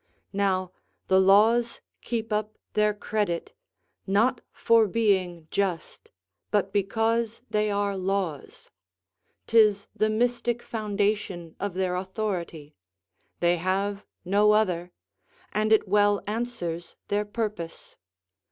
Now, the laws keep up their credit, not for being just, but because they are laws; 'tis the mystic foundation of their authority; they have no other, and it well answers their purpose.